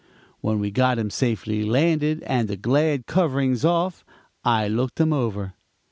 "When we got him safely landed and the glad coverings off, I looked him over.